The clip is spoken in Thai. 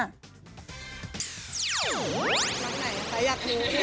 แบบไหนอีกค่ะ